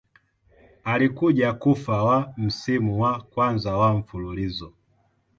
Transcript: Alikuja kufa wa msimu wa kwanza wa mfululizo.